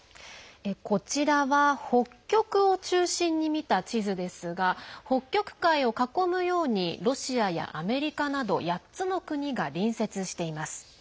こちらは北極を中心に見た地図ですが北極海を囲むようにロシアやアメリカなど８つの国が隣接しています。